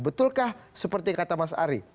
betulkah seperti kata mas ari